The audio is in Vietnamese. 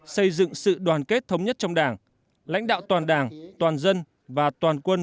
xây dựng sự đoàn kết thống nhất trong đảng lãnh đạo toàn đảng toàn dân và toàn quân